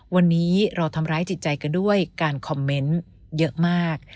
วันนี้เราทำร้ายจิตใจกันด้วยการคอมเมนต์เยอะมาก